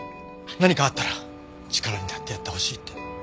何かあったら力になってやってほしいって。